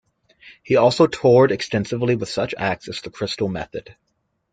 He has also toured extensively with such acts as The Crystal Method.